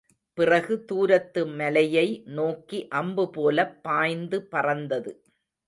பிறகு தூரத்து மலையை நோக்கி அம்பு போலப் பாய்ந்து பறந்தது.